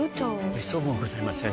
めっそうもございません。